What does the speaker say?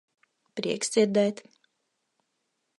Prieks dzirdēt.